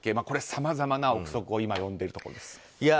これ、さまざまな憶測を今、呼んでいるところです。